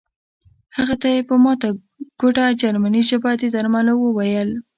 هغه ته یې په ماته ګوډه جرمني ژبه د درملو وویل